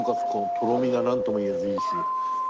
とろみがなんとも言えずいいし。